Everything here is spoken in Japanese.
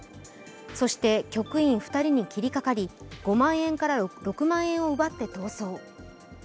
そして局員２人に切りかかり、５万円から６万円を奪って逃走。